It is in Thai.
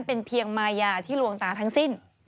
เป็นเพียงมายาที่ลวงตาทั้งสิ้น